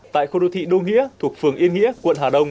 tại khu đô thị đô nghĩa thuộc phường yên nghĩa quận hà đông